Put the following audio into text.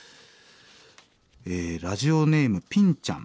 えラジオネームピンちゃん。